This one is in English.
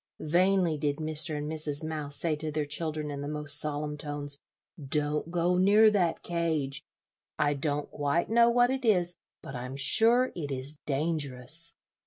Vainly did Mr. and Mrs. Mouse say to their children, in the most solemn tones, "Don't go near that cage; I don't quite know what it is, but I'm sure it is dangerous."